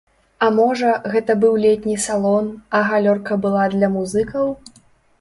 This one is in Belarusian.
А можа, гэта быў летні салон, а галёрка была для музыкаў?